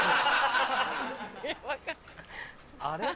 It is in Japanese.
あれ？